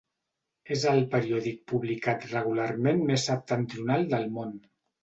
És el periòdic publicat regularment més septentrional del món.